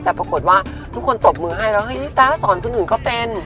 แต่ปรากฏว่าทุกคนตบมือให้แล้วเฮ้ยตาสอนคนอื่นก็เป็น